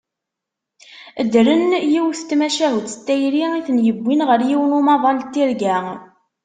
Ddren yiwet n tmacahut n tayri i ten-yewwin ɣer yiwen umaḍal n tirga.